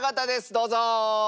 どうぞ！